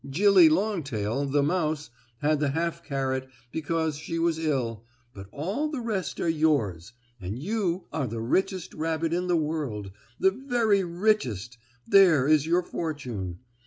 "Jillie Longtail, the mouse, had the half carrot because she was ill, but all the rest are yours, and you are the richest rabbit in the world the very richest there is your fortune.